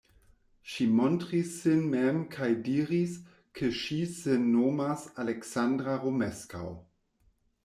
Ŝi montris sin mem kaj diris, ke ŝi sin nomas Aleksandra Romeskaŭ.